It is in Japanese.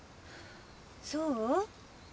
そう？